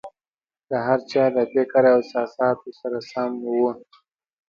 د هر چا د فکر او احساساتو سره سم وو.